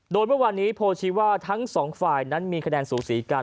โดยเมื่อวานนี้โพชีว่าทั้งสองฝ่ายนั้นมีคะแนนสูสีกัน